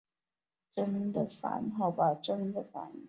郑芳田。